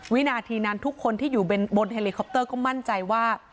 วินาทีนั้นทุกคนที่อยู่บนเฮลิคอปเตอร์ก็มั่นใจว่า